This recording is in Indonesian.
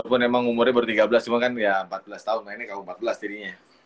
walaupun emang umurnya baru tiga belas cuma kan ya empat belas tahun ini kau empat belas jadinya